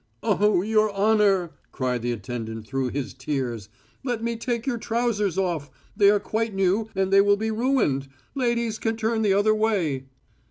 "Oh, your honour!" cried the attendant through his tears. "Let me take your trousers off. They are quite new, and they will be ruined.... Ladies can turn the other way."